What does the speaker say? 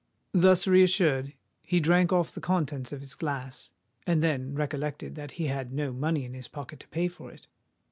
Thus reassured, he drank off the contents of his glass, and then recollected that he had no money in his pocket to pay for it.